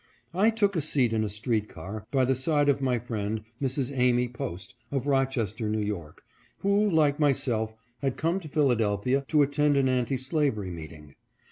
I took a seat in a street car, by the side of my friend, Mrs. Amy Post, of Rochester, New York, who, like myself, had come to Philadelphia to attend an anti slavery meeting.